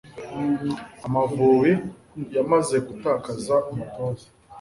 amavubi yamaze gutakaza umutoza